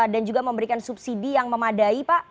dan juga memberikan subsidi yang memadai pak